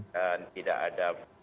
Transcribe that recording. dan tidak ada